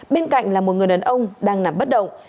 bên cạnh là một người đàn ông đang nằm bất động